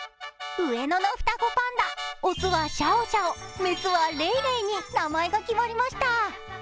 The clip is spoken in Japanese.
上野の双子パンダ、雄はシャオシャオ、雌はレイレイに名前が決まりました。